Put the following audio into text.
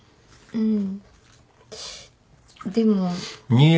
うん？